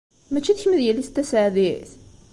Mačči d kemm i d yelli-s n Tasaɛdit?